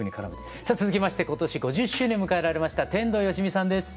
さあ続きまして今年５０周年迎えられました天童よしみさんです。